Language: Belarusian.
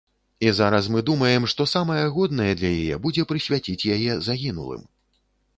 І зараз мы думаем, што самае годнае для яе будзе прысвяціць яе загінулым.